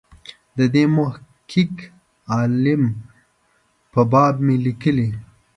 د دې محقق عالم په باب مې لیکلي.